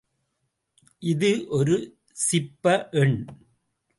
இது ஒரு சிப்ப எண்.